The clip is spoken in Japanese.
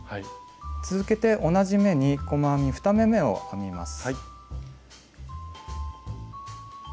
続けて同じ目に細編み２目めを編みます。